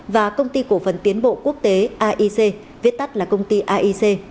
và công ty cổ phần tiến bộ quốc tế aic viết tắt là công ty aic